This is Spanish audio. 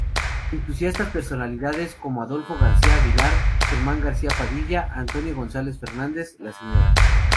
Entusiastas personalidades como Adolfo Gracia Aguilar, Germán García Padilla, Antonio González Fernández, la sra.